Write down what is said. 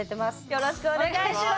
よろしくお願いします。